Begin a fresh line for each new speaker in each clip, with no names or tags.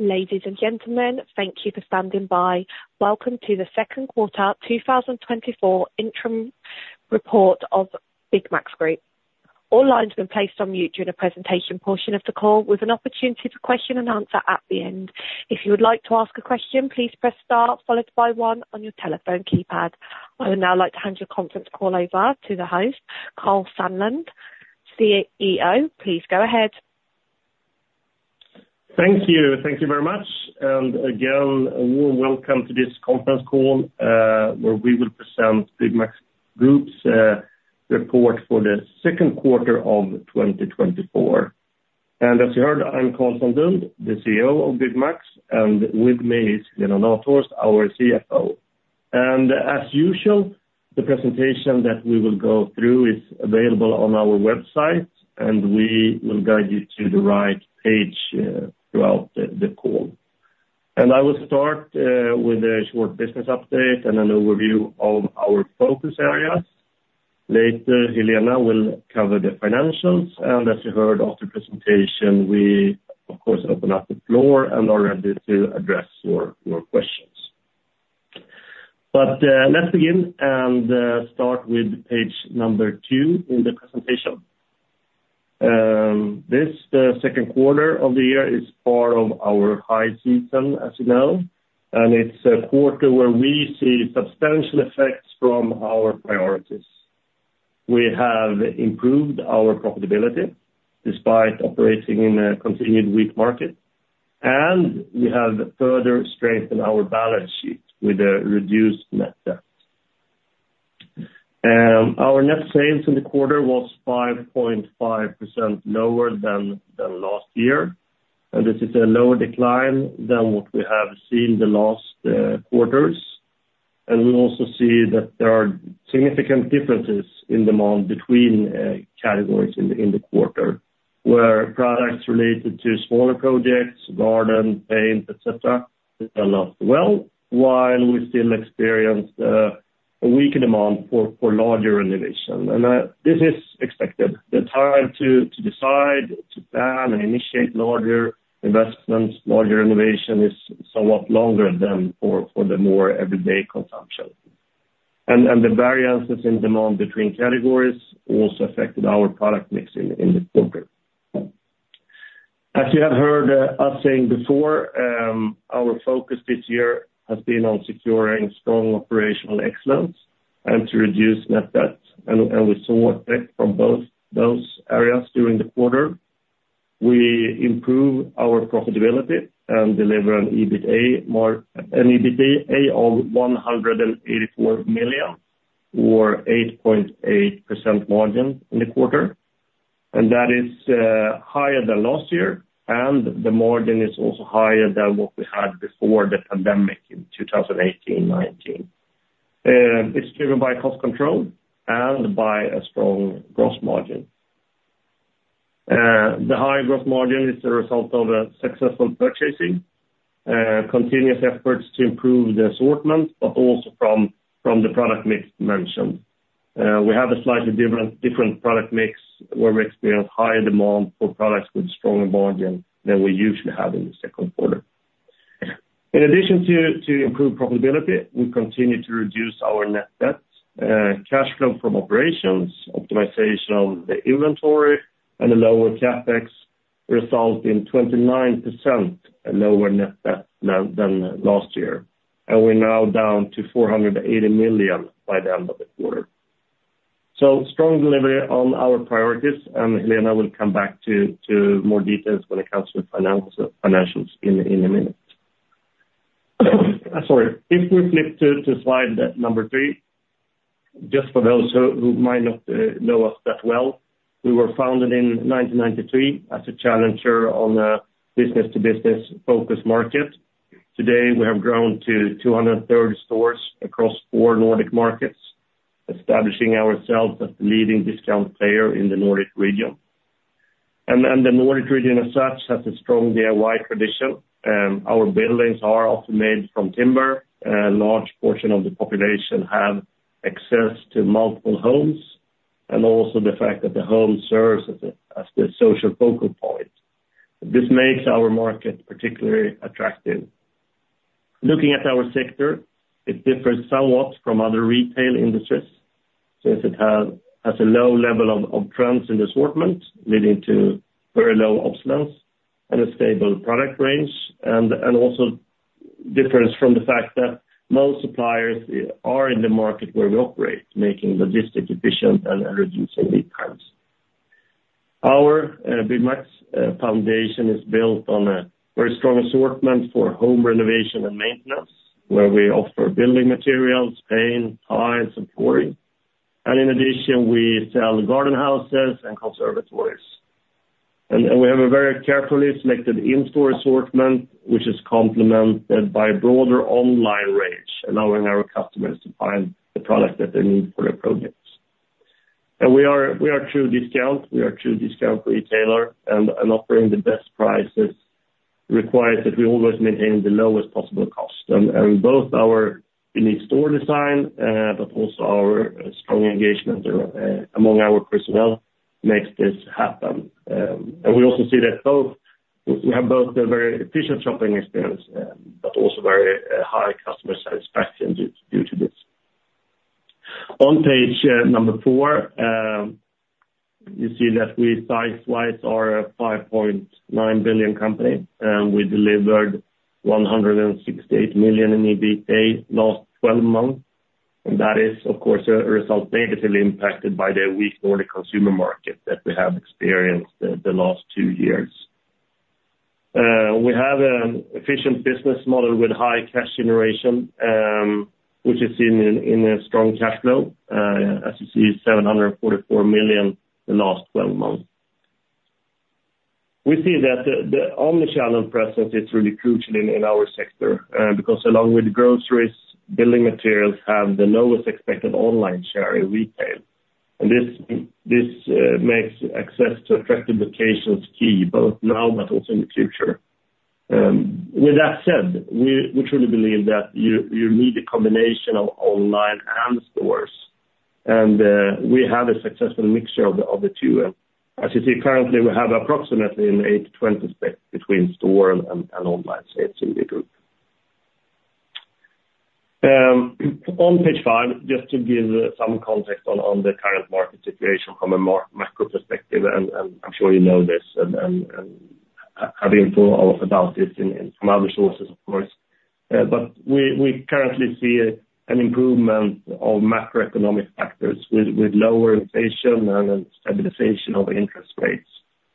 Ladies and gentlemen, thank you for standing by. Welcome to the second quarter 2024 interim report of Byggmax Group. All lines have been placed on mute during the presentation portion of the call, with an opportunity for question and answer at the end. If you would like to ask a question, please press star, followed by one on your telephone keypad. I would now like to hand your conference call over to the host, Karl Sandlund, CEO. Please go ahead.
Thank you. Thank you very much, and again, a warm welcome to this conference call, where we will present Byggmax Group's report for the second quarter of 2024. As you heard, I'm Karl Sandlund, the CEO of Byggmax, and with me is Helena Nathhorst, our CFO. As usual, the presentation that we will go through is available on our website, and we will guide you to the right page throughout the call. I will start with a short business update and an overview of our focus areas. Later, Helena will cover the financials, and as you heard of the presentation, we of course open up the floor and are ready to address your questions. Let's begin and start with page number two in the presentation. This, the second quarter of the year is part of our high season, as you know, and it's a quarter where we see substantial effects from our priorities. We have improved our profitability despite operating in a continued weak market, and we have further strengthened our balance sheet with a reduced net debt. Our net sales in the quarter was 5.5% lower than last year, and this is a lower decline than what we have seen in the last quarters. And we also see that there are significant differences in demand between categories in the quarter, where products related to smaller projects, garden, paint, et cetera, did a lot well, while we still experienced a weaker demand for larger renovation. And this is expected. The time to decide, to plan and initiate larger investments, larger renovation is somewhat longer than for the more everyday consumption. The variances in demand between categories also affected our product mix in the quarter. As you have heard us saying before, our focus this year has been on securing strong operational excellence and to reduce net debt, and we saw effect from both those areas during the quarter. We improve our profitability and deliver an EBITA, an EBITA of 184 million or 8.8% margin in the quarter. That is higher than last year, and the margin is also higher than what we had before the pandemic in 2018, 2019. It's driven by cost control and by a strong gross margin. The high gross margin is the result of a successful purchasing, continuous efforts to improve the assortment, but also from the product mix mentioned. We have a slightly different product mix, where we experience higher demand for products with stronger margin than we usually have in the second quarter. In addition to improve profitability, we continue to reduce our net debt. Cash flow from operations, optimization of the inventory and the lower CapEx, result in 29% lower net debt than last year, and we're now down to 480 million by the end of the quarter. So strong delivery on our priorities, and Helena will come back to more details when it comes to financials in a minute. Sorry. If we flip to slide number three, just for those who might not know us that well, we were founded in 1993 as a challenger on a business-to-business focus market. Today, we have grown to 230 stores across four Nordic markets, establishing ourselves as the leading discount player in the Nordic region. The Nordic region, as such, has a strong DIY tradition, our buildings are often made from timber, a large portion of the population have access to multiple homes, and also the fact that the home serves as the social focal point. This makes our market particularly attractive. Looking at our sector, it differs somewhat from other retail industries, since it has a low level of trends in the assortment, leading to very low obsolescence and a stable product range, and also differs from the fact that most suppliers are in the market where we operate, making logistics efficient and reducing lead times. Our Byggmax's foundation is built on a very strong assortment for home renovation and maintenance, where we offer building materials, paint, tile, and flooring. And in addition, we sell garden houses and conservatories. And we have a very carefully selected in-store assortment, which is complemented by a broader online range, allowing our customers to find the product that they need for their projects. We are a true discount retailer, and offering the best prices requires that we always maintain the lowest possible cost. Both our unique store design, but also our strong engagement among our personnel makes this happen. And we also see that we have both a very efficient shopping experience, but also very high customer satisfaction due to this. On page number four, you see that we, size-wise, are a 5.9 billion company, and we delivered 168 million in EBITA last twelve months, and that is, of course, a result negatively impacted by the weak Nordic consumer market that we have experienced the last two years. We have an efficient business model with high cash generation, which is seen in a strong cash flow, as you see 744 million in the last 12 months. We see that the omni-channel presence is really crucial in our sector, because along with groceries, building materials have the lowest expected online share in retail. And this makes access to attractive locations key, both now but also in the future. With that said, we truly believe that you need a combination of online and stores, and we have a successful mixture of the two. As you see, currently, we have approximately an 80/20 split between store and online sales in the group. On page five, just to give some context on the current market situation from a more macro perspective, and I'm sure you know this and have been told a lot about this from other sources, of course. But we currently see an improvement of macroeconomic factors with lower inflation and a stabilization of interest rates,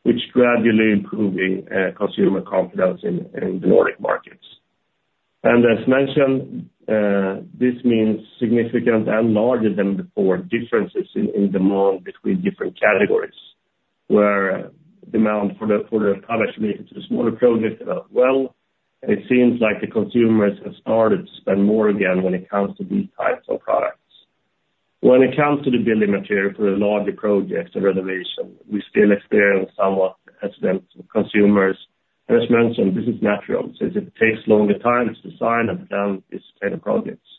which gradually improving consumer confidence in the Nordic markets. And as mentioned, this means significant and larger than before differences in demand between different categories, where demand for the products related to the smaller projects are well. It seems like the consumers have started to spend more again when it comes to these types of products. When it comes to the building material for the larger projects and renovation, we still experience somewhat hesitant consumers. As mentioned, this is natural, since it takes longer time to design and plan this kind of projects.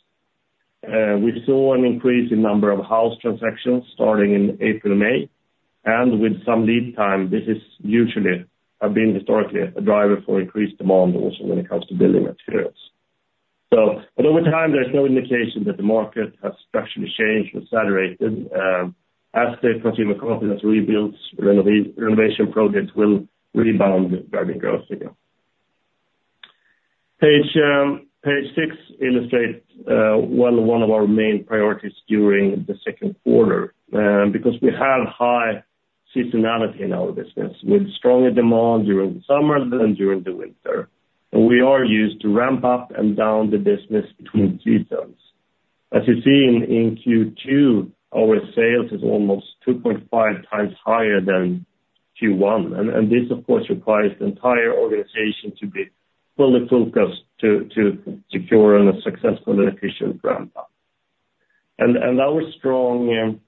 We saw an increase in number of house transactions starting in April, May, and with some lead time, this is usually have been historically a driver for increased demand also when it comes to building materials. So but over time, there's no indication that the market has structurally changed or saturated. As the consumer confidence rebuilds, renovation projects will rebound, driving growth again. Page six illustrates one of our main priorities during the second quarter, because we have high seasonality in our business, with stronger demand during the summer than during the winter. We are used to ramp up and down the business between seasons. As you've seen in Q2, our sales is almost 2.5x higher than Q1, and this, of course, requires the entire organization to be fully focused to secure a successful and efficient ramp up. And our strong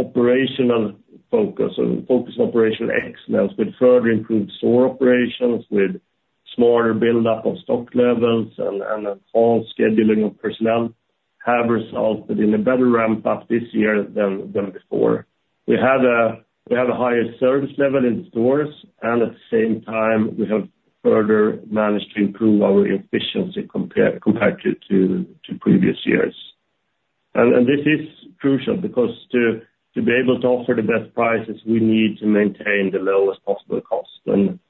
operational focus and focus on operational excellence with further improved store operations, with smarter buildup of stock levels and all scheduling of personnel, have resulted in a better ramp up this year than before. We have a higher service level in the stores, and at the same time, we have further managed to improve our efficiency compared to previous years. And this is crucial, because to be able to offer the best prices, we need to maintain the lowest possible cost, and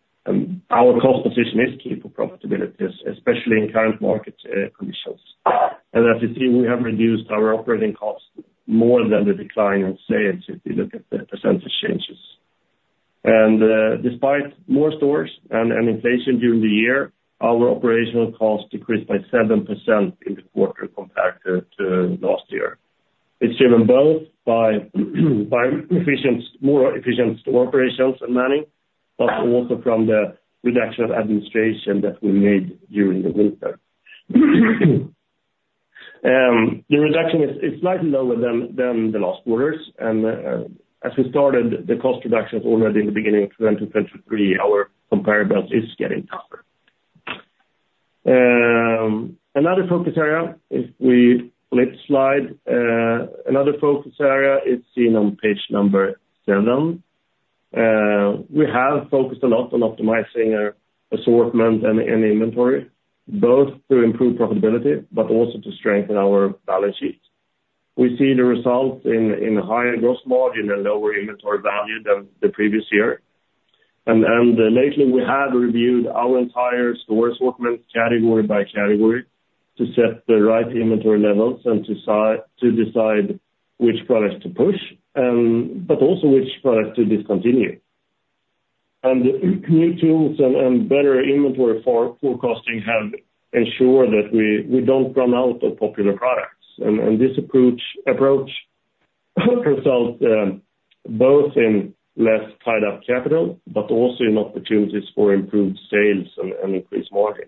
our cost position is key for profitability, especially in current market conditions. As you see, we have reduced our operating costs more than the decline in sales, if you look at the percentage changes. Despite more stores and inflation during the year, our operational costs decreased by 7% in the quarter compared to last year. It's driven both by more efficient store operations and manning, but also from the reduction of administration that we made during the winter. The reduction is slightly lower than the last quarters, and as we started the cost reductions already in the beginning of 2023, our comparables is getting tougher. Another focus area, if we flip slide, another focus area is seen on page 7. We have focused a lot on optimizing our assortment and inventory, both to improve profitability but also to strengthen our balance sheets. We see the results in higher gross margin and lower inventory value than the previous year. And lately, we have reviewed our entire store assortment, category by category, to set the right inventory levels and to decide which products to push, but also which products to discontinue. New tools and better inventory for forecasting have ensured that we don't run out of popular products. This approach results both in less tied up capital, but also in opportunities for improved sales and increased margin.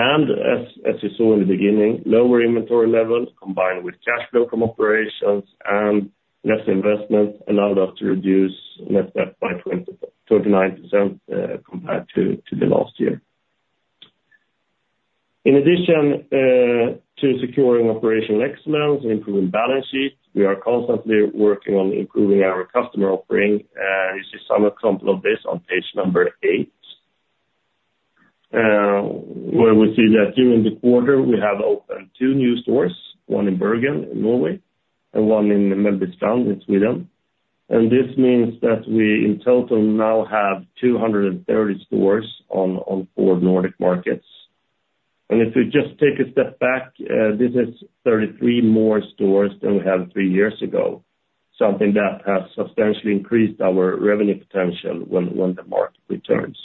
And as you saw in the beginning, lower inventory levels, combined with cash flow from operations and less investment, allowed us to reduce net debt by 23.9%, compared to the last year. In addition to securing operational excellence and improving balance sheets, we are constantly working on improving our customer offering. You see some example of this on page eight, where we see that during the quarter, we have opened two new stores, one in Bergen, in Norway, and one in Mölndal, in Sweden. This means that we, in total, now have 230 stores on four Nordic markets. If we just take a step back, this is 33 more stores than we had three years ago, something that has substantially increased our revenue potential when the market returns.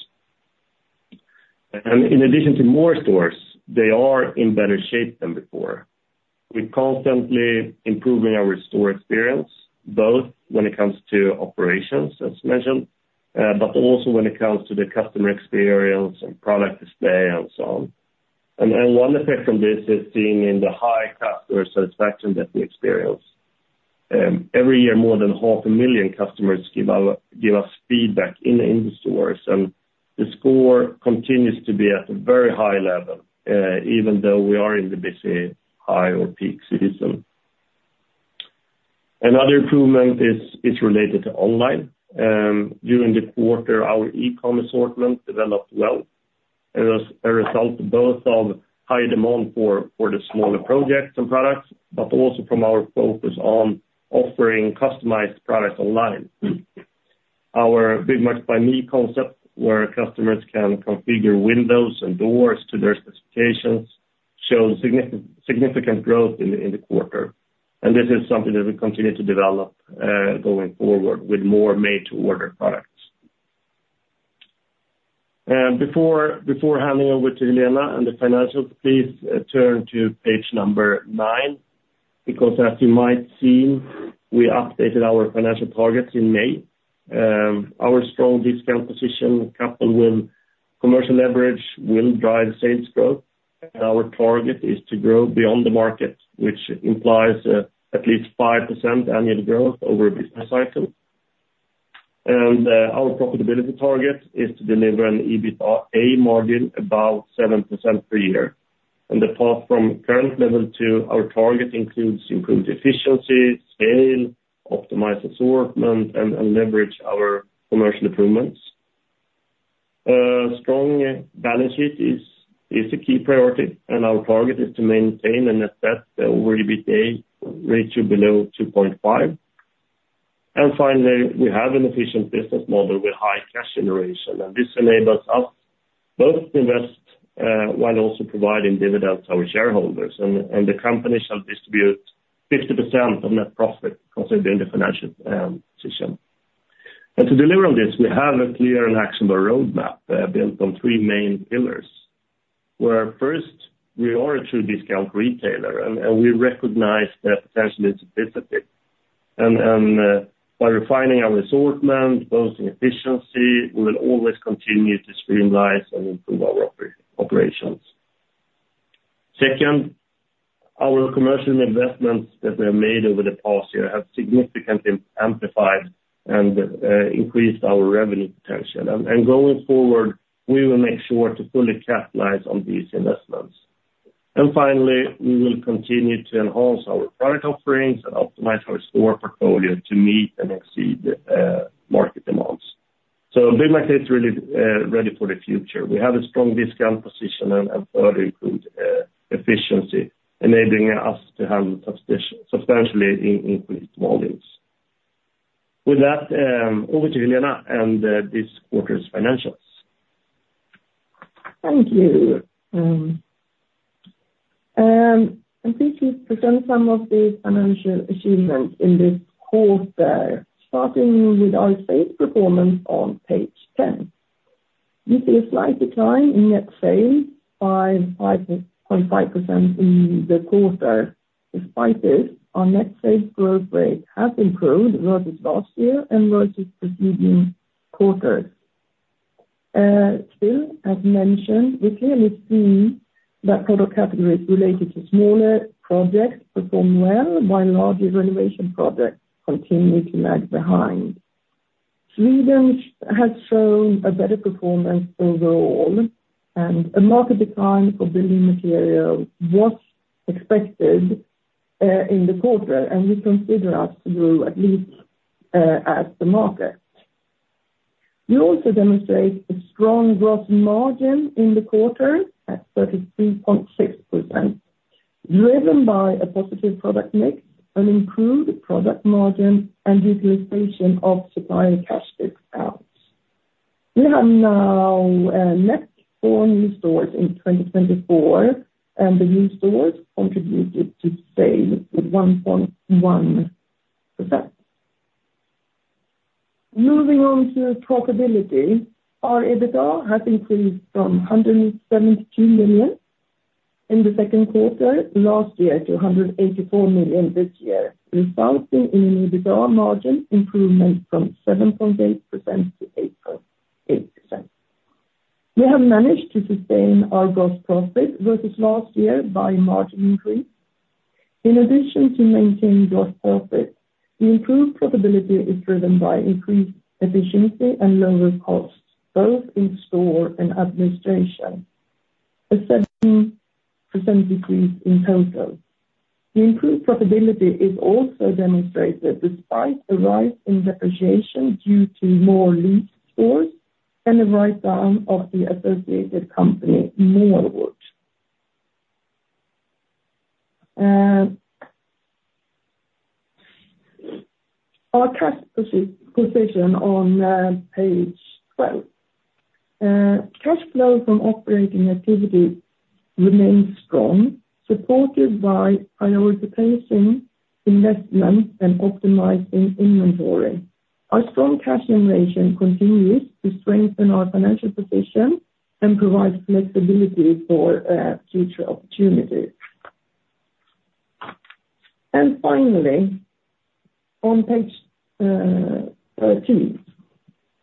In addition to more stores, they are in better shape than before. We're constantly improving our store experience, both when it comes to operations, as mentioned, but also when it comes to the customer experience and product display, and so on. Then one effect from this is seeing in the high customer satisfaction that we experience. Every year, more than 500,000 customers give us feedback in the stores, and the score continues to be at a very high level, even though we are in the busy high or peak season. Another improvement is related to online. During the quarter, our e-com assortment developed well. It was a result both of high demand for the smaller projects and products, but also from our focus on offering customized products online. Our Byggmax concept, where customers can configure windows and doors to their specifications, showed significant growth in the quarter, and this is something that we continue to develop going forward with more made-to-order products. Before handing over to Helena and the financials, please turn to page nine, because as you might see, we updated our financial targets in May. Our strong discount position, coupled with commercial leverage, will drive sales growth. Our target is to grow beyond the market, which implies at least 5% annual growth over a business cycle. And our profitability target is to deliver an EBITA margin about 7% per year. And the path from current level to our target includes improved efficiency, scale, optimized assortment, and leverage our commercial improvements. Strong balance sheet is a key priority, and our target is to maintain a net debt over EBITA ratio below 2.5x. And finally, we have an efficient business model with high cash generation, and this enables us both to invest while also providing dividends to our shareholders. And the company shall distribute 50% of net profit, considering the financial position. And to deliver on this, we have a clear and actionable roadmap built on three main pillars, where first, we are a true discount retailer, and we recognize the potential in specificity. And by refining our assortment, boosting efficiency, we will always continue to streamline and improve our operations. Second, our commercial investments that were made over the past year have significantly amplified and increased our revenue potential. Going forward, we will make sure to fully capitalize on these investments. Finally, we will continue to enhance our product offerings and optimize our store portfolio to meet and exceed market demands. So Byggmax is really ready for the future. We have a strong discount position and further improved efficiency, enabling us to have substantially increased volumes. With that, over to Helena and this quarter's financials.
Thank you. I'm pleased to present some of the financial achievements in this quarter, starting with our sales performance on page 10. We see a slight decline in net sales by 5.5% in the quarter. Despite this, our net sales growth rate has improved versus last year and versus the previous quarters. Still, as mentioned, we clearly see that product categories related to smaller projects perform well, while larger renovation projects continue to lag behind. Sweden has shown a better performance overall, and a market decline for building material was expected, in the quarter, and we consider us to grow at least, as the market. We also demonstrate a strong gross margin in the quarter at 33.6%, driven by a positive product mix and improved product margin and utilization of supplier cash discounts. We have now net four new stores in 2024, and the new stores contributed to sales of 1.1%. Moving on to profitability, our EBITA has increased from 172 million in the second quarter last year to 184 million this year, resulting in an EBITA margin improvement from 7.8% to 8.8%. We have managed to sustain our gross profit versus last year by margin increase. In addition to maintaining gross profit, the improved profitability is driven by increased efficiency and lower costs, both in store and administration. A 17% decrease in total. The improved profitability is also demonstrated despite the rise in depreciation due to more leased stores and the write-down of the associated company, MyWood. Our cash position on page twelve. Cash flow from operating activity remains strong, supported by prioritization, investment, and optimizing inventory. Our strong cash generation continues to strengthen our financial position and provide flexibility for future opportunities. And finally, on page two.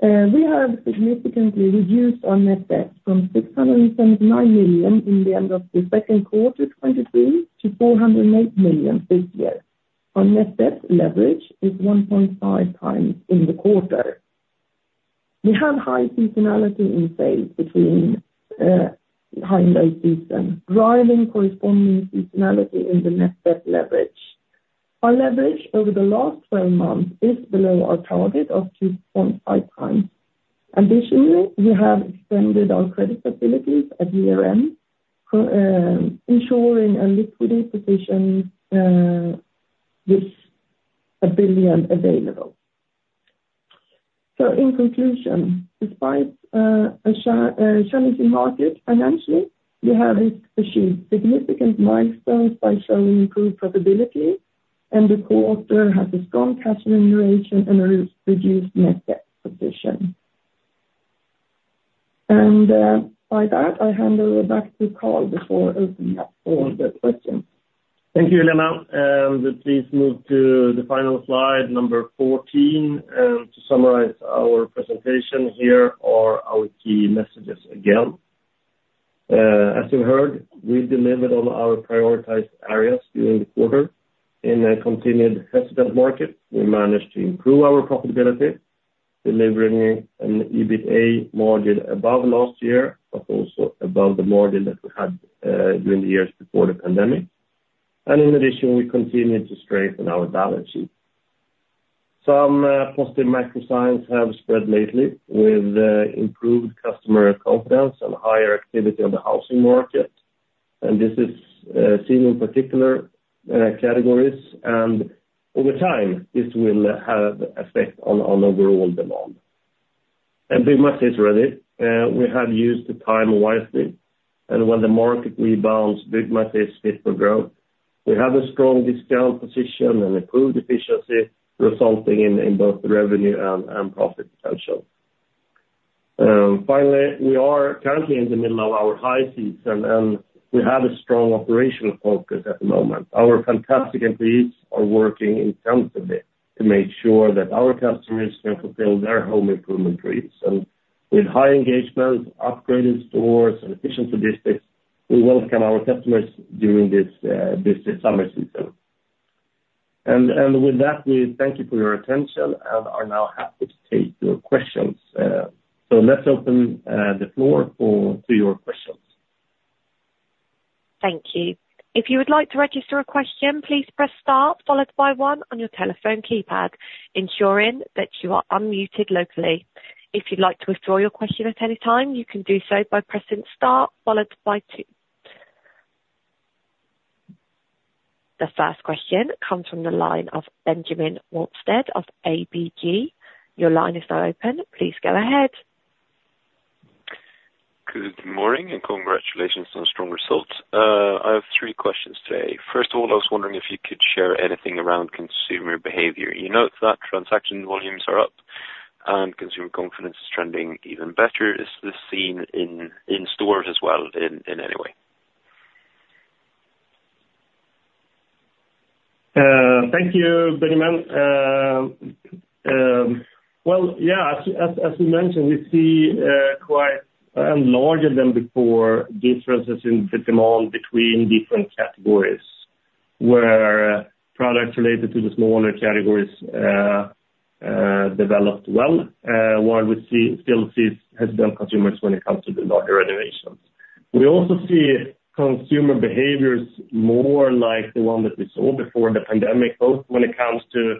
We have significantly reduced our Net Debt from 679 million in the end of the second quarter 2023 to 408 million this year. Our Net Debt Leverage is 1.5x in the quarter. We have high seasonality in sales between high and low season, driving corresponding seasonality in the Net Debt leverage. Our leverage over the last 12 months is below our target of 2.5x. Additionally, we have extended our credit facilities at year-end, ensuring a liquidity position with 1 billion available. So in conclusion, despite a challenging market financially, we have achieved significant milestones by showing improved profitability, and the quarter has a strong cash generation and a reduced net debt position. And, by that, I hand over back to Karl before opening up for the questions.
Thank you, Helena. Let's please move to the final slide, number 14. To summarize our presentation, here are our key messages again. As you heard, we delivered on our prioritized areas during the quarter. In a continued hesitant market, we managed to improve our profitability, delivering an EBITA margin above last year, but also above the margin that we had during the years before the pandemic. And in addition, we continued to strengthen our balance sheet. Some positive macro signs have spread lately, with improved customer confidence and higher activity on the housing market, and this is seen in particular categories. And over time, this will have effect on overall demand. And Byggmax is ready. We have used the time wisely, and when the market rebounds, Byggmax is fit for growth. We have a strong discount position and improved efficiency, resulting in both revenue and profit potential. Finally, we are currently in the middle of our high season, and we have a strong operational focus at the moment. Our fantastic employees are working intensively to make sure that our customers can fulfill their home improvement dreams. So with high engagement, upgraded stores, and efficient logistics, we welcome our customers during this summer season. And with that, we thank you for your attention and are now happy to take your questions. So let's open the floor to your questions.
Thank you. If you would like to register a question, please press star followed by one on your telephone keypad, ensuring that you are unmuted locally. If you'd like to withdraw your question at any time, you can do so by pressing star followed by two. The first question comes from the line of Benjamin Wahlstedt of ABG. Your line is now open. Please go ahead.
Good morning, and congratulations on strong results. I have three questions today. First of all, I was wondering if you could share anything around consumer behavior. You note that transaction volumes are up and consumer confidence is trending even better. Is this seen in stores as well, in any way?
Thank you, Benjamin. Well, yeah, as we mentioned, we see quite a larger than before differences in the demand between different categories, where products related to the smaller categories developed well, while we still see hesitant consumers when it comes to the larger renovations. We also see consumer behaviors more like the one that we saw before the pandemic, both when it comes to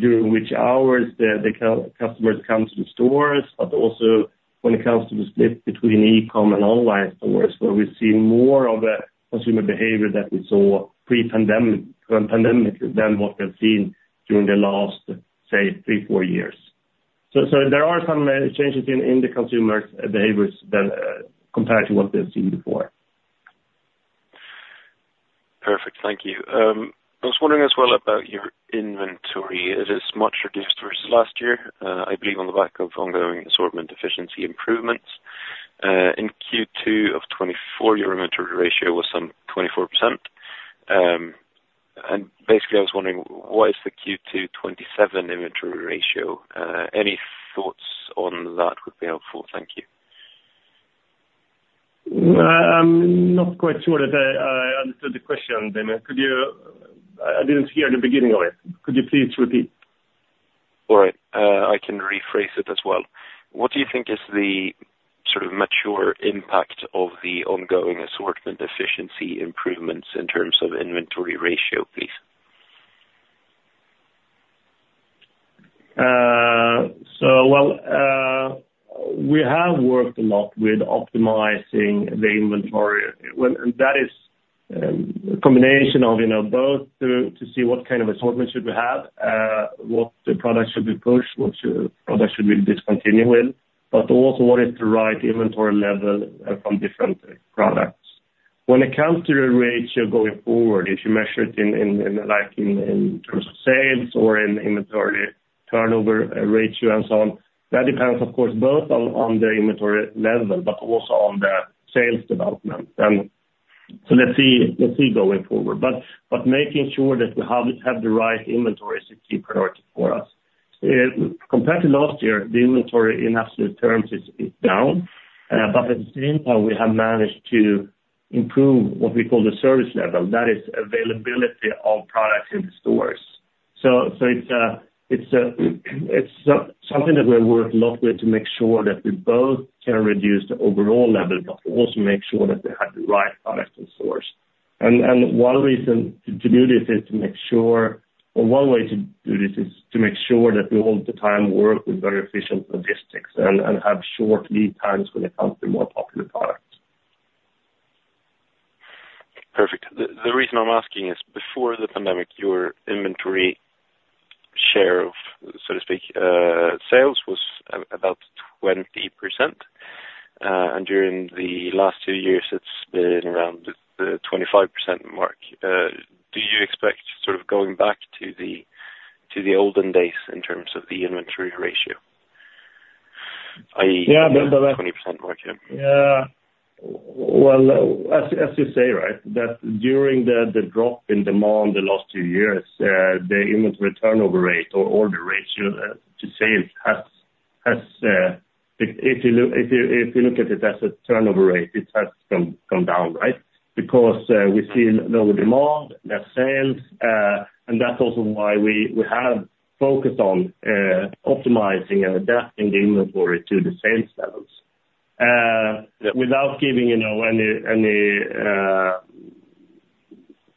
during which hours the customers come to the stores, but also when it comes to the split between e-com and online stores, where we see more of a consumer behavior that we saw pre-pandemic, than pandemic, than what we've seen during the last, say, three, four years. So there are some changes in the consumer behaviors than compared to what we've seen before.
Perfect. Thank you. I was wondering as well about your inventory. It is much reduced versus last year, I believe on the back of ongoing assortment efficiency improvements. In Q2 of 2024, your inventory ratio was some 24%. And basically, I was wondering, what is the Q2 2027 inventory ratio? Any thoughts on that would be helpful. Thank you.
I'm not quite sure that I understood the question, Benjamin. Could you? I didn't hear the beginning of it. Could you please repeat?
All right, I can rephrase it as well. What do you think is the sort of mature impact of the ongoing assortment efficiency improvements in terms of inventory ratio, please?
So, well, we have worked a lot with optimizing the inventory. Well, and that is a combination of, you know, both to see what kind of assortment should we have, what the product should be pushed, which product should we discontinue with, but also what is the right inventory level from different products. When it comes to the ratio going forward, if you measure it in, like, in terms of sales or in inventory turnover ratio and so on, that depends, of course, both on the inventory level, but also on the sales development. So, let's see going forward. But making sure that we have the right inventory is a key priority for us. Compared to last year, the inventory in absolute terms is down, but at the same time, we have managed to improve what we call the service level. That is availability of products in the stores. So it's something that we're working a lot with to make sure that we both can reduce the overall level, but also make sure that we have the right product in store. And one reason to do this is to make sure, or one way to do this is to make sure that we all the time work with very efficient logistics and have short lead times when it comes to more popular products.
Perfect. The reason I'm asking is before the pandemic, your inventory share of, so to speak, sales was about 20%, and during the last two years, it's been around the 25% mark. Do you expect sort of going back to the olden days in terms of the inventory ratio? I.e.-
Yeah.
20% margin.
Yeah. Well, as you say, right, that during the drop in demand the last two years, the inventory turnover rate or order ratio to sales has. If you look at it as a turnover rate, it has come down, right? Because we've seen lower demand, less sales, and that's also why we have focused on optimizing and adapting the inventory to the sales levels. Without giving, you know, any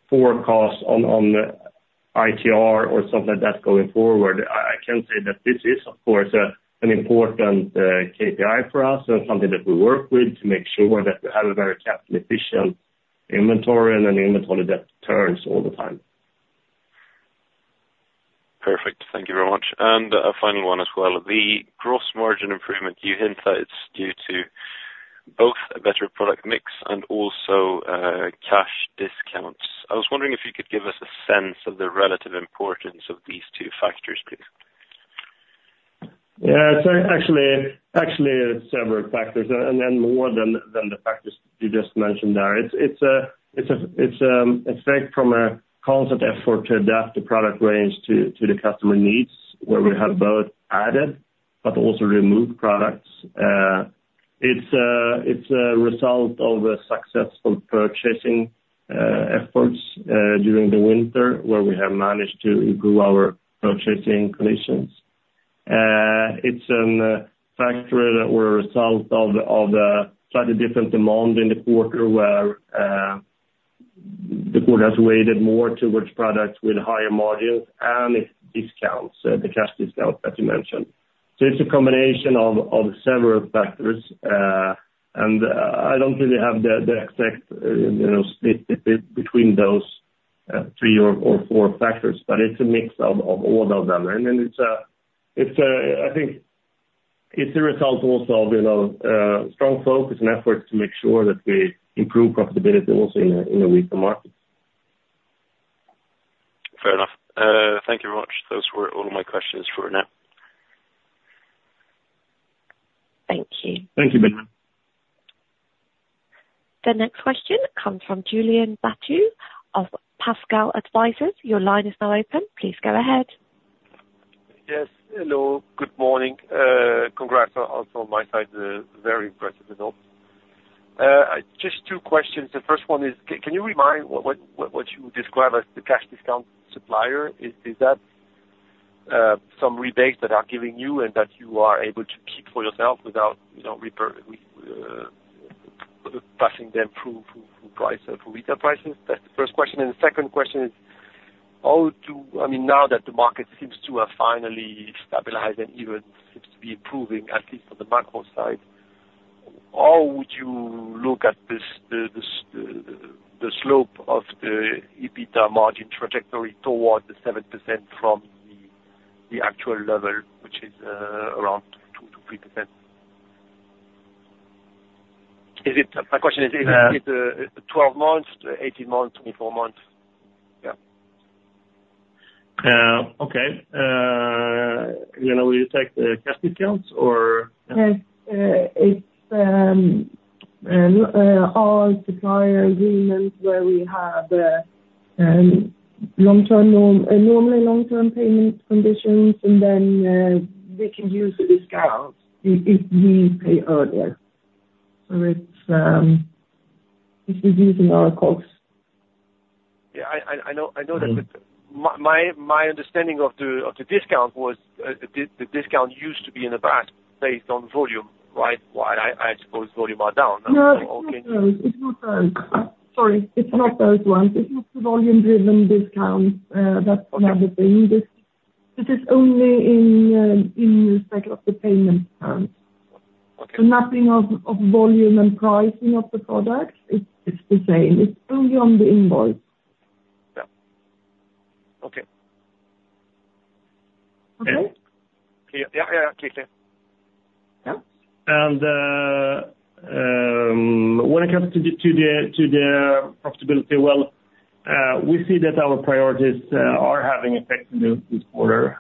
forecast on ITR or something like that going forward, I can say that this is, of course, an important KPI for us and something that we work with to make sure that we have a very capital-efficient inventory and an inventory that turns all the time.
Perfect. Thank you very much. A final one as well. The gross margin improvement, you hint that it's due to both a better product mix and also, cash discounts. I was wondering if you could give us a sense of the relative importance of these two factors, please.
Yeah, so actually several factors, and then more than the factors you just mentioned there. It's an effect from a constant effort to adapt the product range to the customer needs, where we have both added but also removed products. It's a result of a successful purchasing efforts during the winter, where we have managed to improve our purchasing conditions. It's a factor that was a result of a slightly different demand in the quarter, where the quarter has weighed more towards products with higher margins and discounts, the cash discounts that you mentioned. So it's a combination of several factors, and I don't really have the exact, you know, split between those three or four factors, but it's a mix of all of them. And then it's a—I think it's a result also of, you know, strong focus and efforts to make sure that we improve profitability also in a weaker market.
Fair enough. Thank you very much. Those were all my questions for now.
Thank you.
Thank you, Damon.
The next question comes from Julien Batteau of Pascal Advisers. Your line is now open. Please go ahead.
Yes, hello. Good morning. Congrats also on my side, very impressive results. Just two questions. The first one is, can you remind what you describe as the cash discount supplier? Is that some rebates that are giving you and that you are able to keep for yourself without, you know, passing them through the price to retail prices? That's the first question, and the second question is, I mean, now that the market seems to have finally stabilized and even seems to be improving, at least on the macro side, how would you look at the slope of the EBITDA margin trajectory toward the 7% from the actual level, which is around 2%-3%? Is it, my question is-
Yeah.
Is it, 12 months, 18 months, 24 months? Yeah.
Okay. You know, will you take the cash discounts or?
Yes, it's all supplier agreements where we have, normally long-term payment conditions, and then, they can use a discount if we pay earlier. So it's, this is using our costs.
Yeah, I know that, but my understanding of the discount was, the discount used to be in the past, based on volume, right? Well, I suppose volume are down now.
No, it's not those, it's not those. Sorry, it's not those ones. It's not the volume-driven discounts, that's another thing. This, this is only in, in the cycle of the payment terms.
Okay.
The mapping of volume and pricing of the products, is the same. It's only on the invoice.
Yeah. Okay.
Okay?
Yeah, yeah. Clear, clear.
Yeah.
When it comes to the profitability, well, we see that our priorities are having effect in this quarter.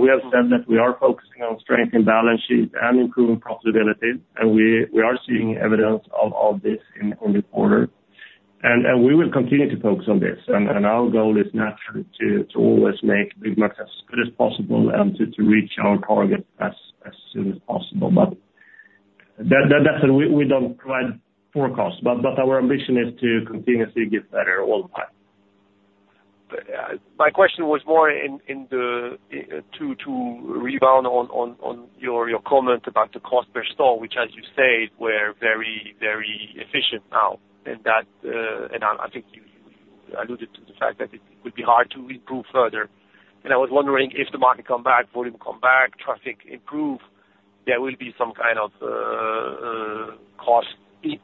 We have said that we are focusing on strengthening balance sheet and improving profitability, and we are seeing evidence of this in this quarter. We will continue to focus on this, and our goal is naturally to always make Byggmax as good as possible and to reach our target as soon as possible. But that's why we don't provide forecasts, but our ambition is to continuously get better all the time.
But my question was more in to rebound on your comment about the cost per store, which, as you said, we're very, very efficient now. And that, and I think you alluded to the fact that it would be hard to improve further. And I was wondering if the market comes back, volume comes back, traffic improve, there will be some kind of cost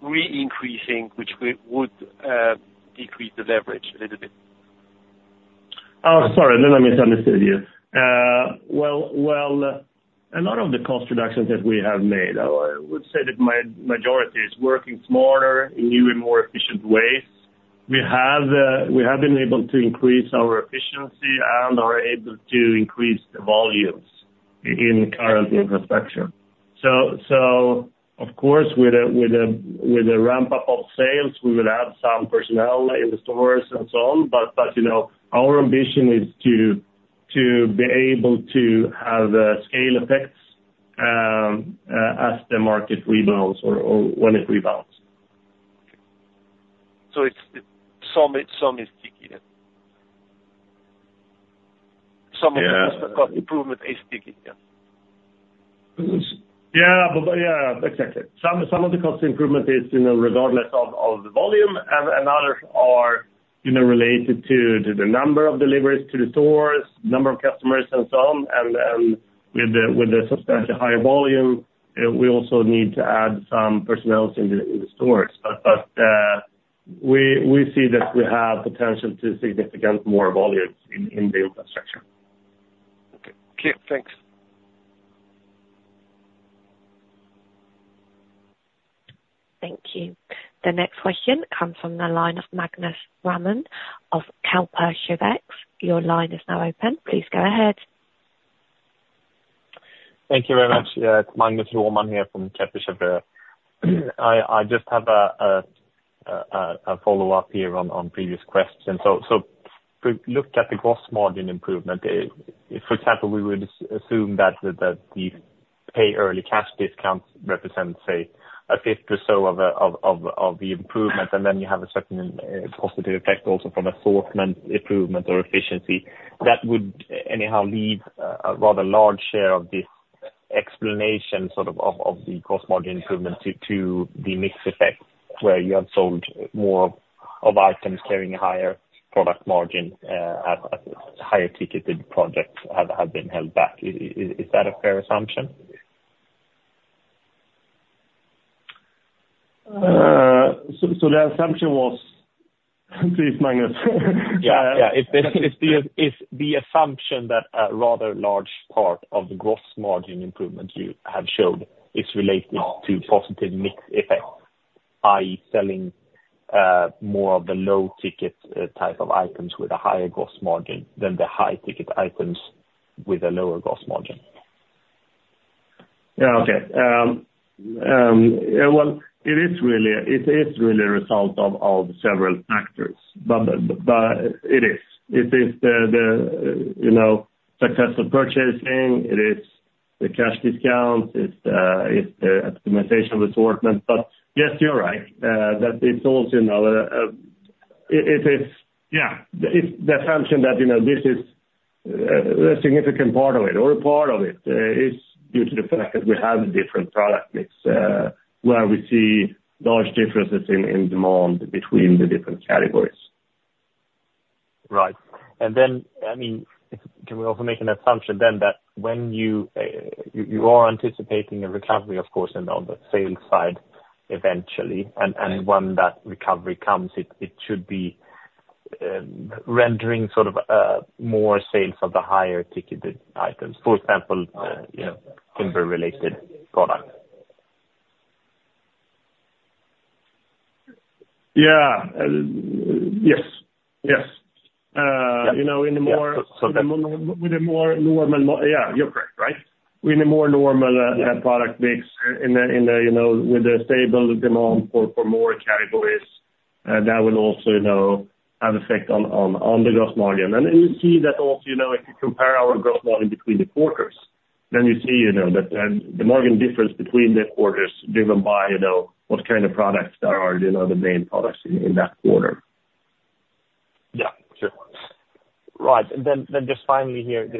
re-increasing, which we would decrease the leverage a little bit.
Sorry, then I misunderstood you. Well, a lot of the cost reductions that we have made, I would say that majority is working smarter in new and more efficient ways. We have been able to increase our efficiency and are able to increase the volumes in current infrastructure. So, of course, with a ramp-up of sales, we will add some personnel in the stores and so on. But, you know, our ambition is to be able to have scale effects, as the market rebounds or when it rebounds.
It's some, some is sticky then?
Yeah.
Some of the cost improvement is sticky, yes.
Yeah. But yeah, exactly. Some of the cost improvement is, you know, regardless of the volume, and others are, you know, related to the number of deliveries to the stores, number of customers and so on. And with the substantial higher volume, we also need to add some personnel in the stores. But we see that we have potential to significant more volumes in the infrastructure.
Okay, clear. Thanks.
Thank you. The next question comes from the line of Magnus Råman of Kepler Cheuvreux. Your line is now open. Please go ahead.
Thank you very much. Magnus Råman here from Kepler Cheuvreux. I just have a follow-up here on previous questions. So if we look at the gross margin improvement, for example, we would assume that the pay early cash discounts represent, say, a fifth or so of the improvement, and then you have a certain positive effect also from assortment improvement or efficiency. That would anyhow leave a rather large share of this explanation, sort of, of the cost margin improvement to the mixed effect, where you have sold more of items carrying a higher product margin, at higher ticketed products have been held back. Is that a fair assumption?
So, the assumption was? Please, Magnus.
Yeah, yeah. If the assumption that a rather large part of the gross margin improvement you have shown is related to positive mix effects, are you selling more of the low-ticket type of items with a higher gross margin than the high-ticket items with a lower gross margin?
Yeah, okay. Well, it is really a result of several factors, but it is. It is the you know, successful purchasing, it is the cash discount, it's the optimization of assortment. But yes, you're right, that it's also, you know, yeah, it's the assumption that you know, this is a significant part of it, or a part of it is due to the fact that we have a different product mix, where we see large differences in demand between the different categories.
Right. And then, I mean, can we also make an assumption then that when you are anticipating a recovery, of course, and on the sales side eventually?
Yeah.
When that recovery comes, it should be rendering sort of more sales of the higher ticketed items, for example, you know, timber-related products.
Yeah. Yes, yes. You know, in a more-
Yeah.
With a more... We need more normal product mix in the, in the, you know, with the stable demand for, for more categories that will also, you know, have effect on, on, on the gross margin. And then you see that also, you know, if you compare our gross margin between the quarters, then you see, you know, that the margin difference between the quarters is driven by, you know, what kind of products are, you know, the main products in, in that quarter.
Yeah, sure. Right, and then just finally here,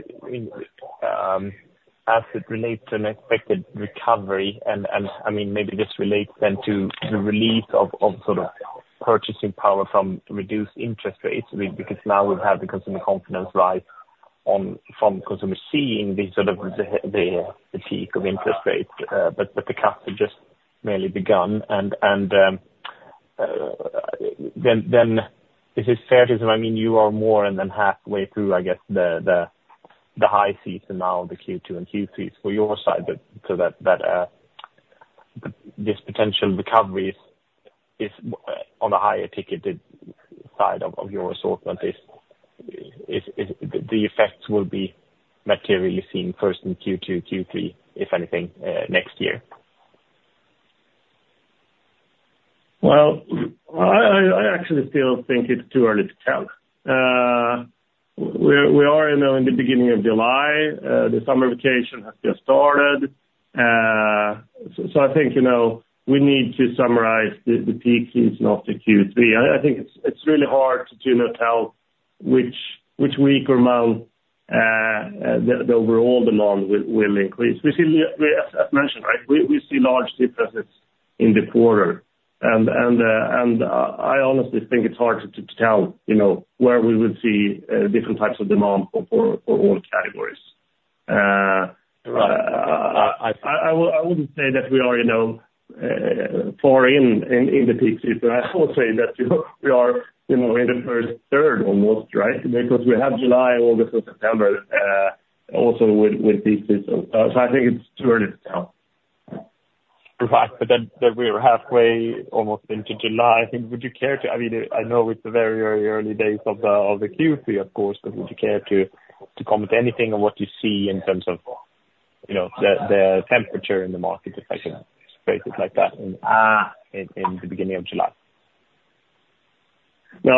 as it relates to an expected recovery, and I mean, maybe this relates then to the relief of sort of purchasing power from reduced interest rates, because now we've had the consumer confidence rise on, from consumers seeing sort of the peak of interest rates, but the cuts have just merely begun. And then is it fair to say, I mean, you are more than halfway through, I guess, the high season now, the Q2 and Q3 for your side, but so that this potential recovery is on the higher ticketed side of your assortment, the effects will be materially seen first in Q2, Q3, if anything, next year.
Well, I actually still think it's too early to tell. We're you know, in the beginning of July, the summer vacation has just started. So I think, you know, we need to summarize the peak season of Q3. I think it's really hard to, you know, tell which week or month the overall demand will increase. We see, as mentioned, right, we see large differences in the quarter. And I honestly think it's hard to tell, you know, where we would see different types of demand for all categories.
Right.
I wouldn't say that we are, you know, far in the peak season, but I will say that, you know, we are, you know, in the first third almost, right? Because we have July, August, and September also with peak season. So I think it's too early to tell.
Right. But then, then we are halfway almost into July. I think would you care to... I mean, I know it's the very, very early days of the, of the Q3, of course, but would you care to, to comment anything on what you see in terms of, you know, the, the temperature in the market, if I can phrase it like that, in the beginning of July?
No,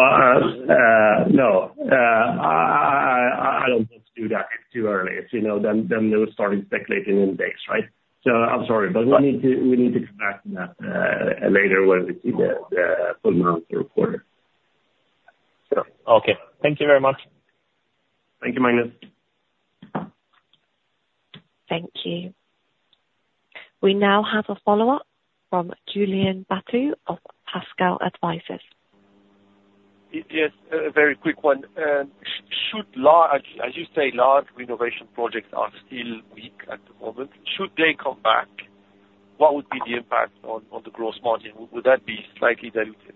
no. I don't want to do that. It's too early. As you know, then they will start speculating in days, right? So I'm sorry, but we need to come back on that later when we see the full amount of the quarter.
Okay. Thank you very much.
Thank you, Magnus.
Thank you. We now have a follow-up from Julien Batteau of Pascal Advisers.
Yes, a very quick one. As you say, large renovation projects are still weak at the moment. Should they come back, what would be the impact on the gross margin? Would that be slightly diluted?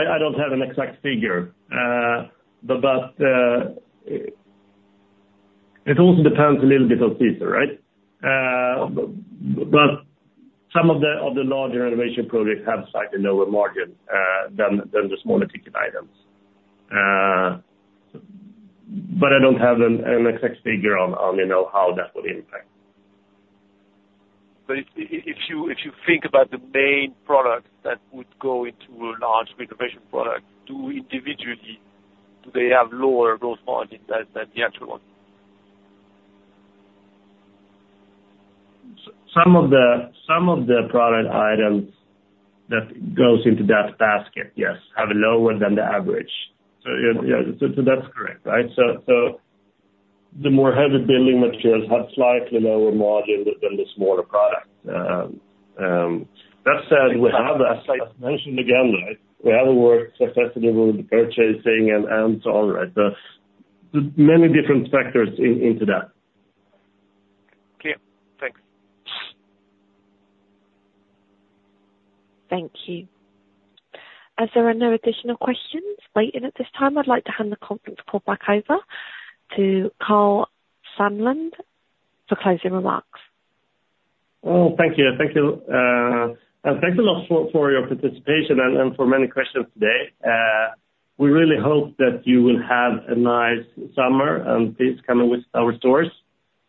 I don't have an exact figure. But it also depends a little bit on season, right? But some of the larger renovation projects have slightly lower margin than the smaller ticket items. But I don't have an exact figure on, you know, how that would impact.
But if you think about the main products that would go into a large renovation project, do they have lower gross margin than the actual one?
Some of the product items that goes into that basket, yes, have lower than the average. So, yeah, that's correct, right? So, the more heavy building materials have slightly lower margin than the smaller product. That said, we have, as I mentioned again, right, we have worked successfully with the purchasing and so on, right? So there's many different factors into that.
Okay. Thanks.
Thank you. As there are no additional questions waiting at this time, I'd like to hand the conference call back over to Karl Sandlund for closing remarks.
Oh, thank you. Thank you, and thanks a lot for your participation and for many questions today. We really hope that you will have a nice summer, and please come in with our stores.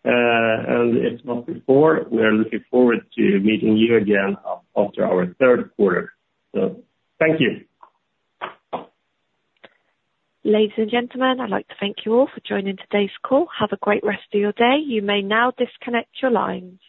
And as well before, we are looking forward to meeting you again after our third quarter. So thank you.
Ladies and gentlemen, I'd like to thank you all for joining today's call. Have a great rest of your day. You may now disconnect your lines.